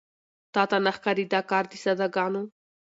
تاته نه ښايي دا کار د ساده ګانو